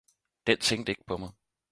den tænkte ikke på mig.